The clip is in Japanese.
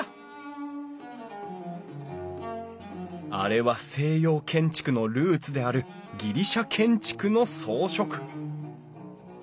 あれは西洋建築のルーツであるギリシャ建築の装飾！